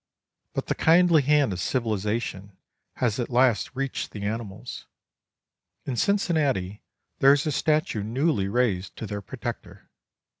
But the kindly hand of civilization has at last reached the animals. In Cincinnati there is a statue newly raised to their protector.